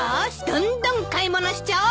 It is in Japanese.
どんどん買い物しちゃおっと。